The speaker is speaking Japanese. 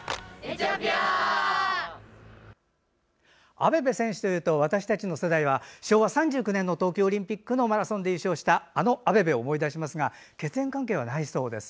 アベベ選手というと私たちの世代は昭和３９年の東京オリンピックのマラソンで優勝をしたあのアベベを思い出しますが血縁関係はないそうです。